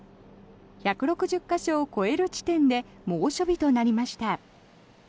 １６０か所を超える地点で猛暑日となりました。